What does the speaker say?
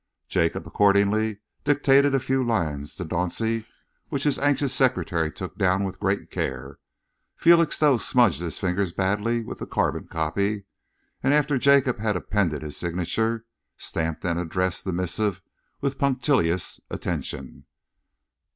Jacob accordingly dictated a few lines to Dauncey, which his anxious secretary took down with great care. Felixstowe smudged his fingers badly with the carbon copy and, after Jacob had appended his signature, stamped and addressed the missive with punctilious attention.